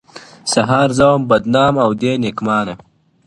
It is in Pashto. • سهار زه ومه بدنام او دی نېکنامه..